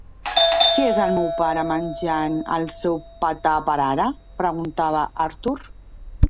"Què és el meu pare menjant el seu Petar per ara?" preguntava Arthur.